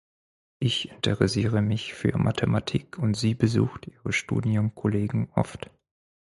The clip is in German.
Ich interessiere mich für Mathematik und sie besucht ihre Studienkollegen oft.